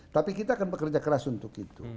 tapi kita akan bekerja keras untuk itu